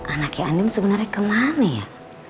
anaknya anim sebenarnya kemana ya